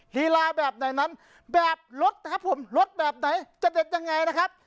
ลีลาแบบไหนนั้นแบบรสครับผมรสแบบไหนจะเด็ดยังไงนะครับ